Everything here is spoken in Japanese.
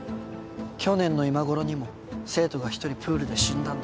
去年の今ごろにも生徒が１人プールで死んだんだ。